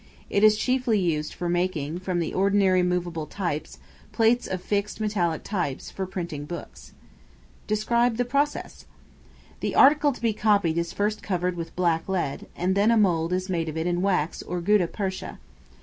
It is chiefly used for making, from the ordinary movable types, plates of fixed metallic types, for printing books. Describe the process. The article to be copied is first covered with black lead, and then a mould is made of it in wax or gutta percha.